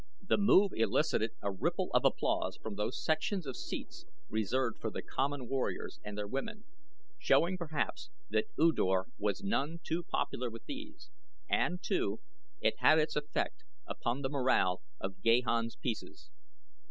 The move elicited a ripple of applause from those sections of seats reserved for the common warriors and their women, showing perhaps that U Dor was none too popular with these, and, too, it had its effect upon the morale of Gahan's pieces.